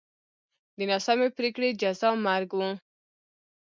د ناسمې پرېکړې جزا مرګ و.